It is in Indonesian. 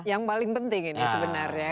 yang paling penting ini sebenarnya